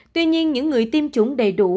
tuy nhiên những người tiêm chủng đầy đủ